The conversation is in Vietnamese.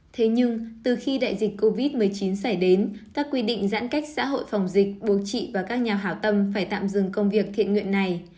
thế nhưng từ khi đại dịch covid một mươi chín xảy đến các quy định giãn cách xã hội phòng dịch buộc chị và các nhà hảo tâm phải tạm dừng công việc thiện nguyện này